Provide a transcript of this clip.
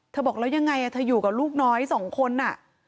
บอกแล้วยังไงเธออยู่กับลูกน้อยสองคนอ่ะ